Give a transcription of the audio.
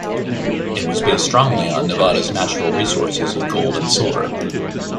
It was based strongly on Nevada's natural resources of gold and silver.